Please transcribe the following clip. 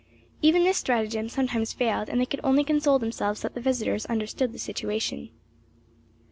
Even this stratagem sometimes failed and they could only console themselves that the visitors understood the situation.